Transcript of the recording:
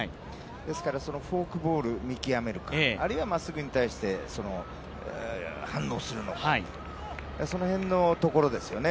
ですからフォークボールを見極めるか、あるいはまっすぐに対して反応するのかその辺のところですよね。